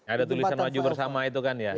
ada tulisan maju bersama itu kan ya